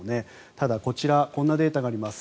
ただ、こちらこんなデータがあります。